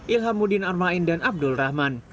ilham mudin armain dan abdul rahman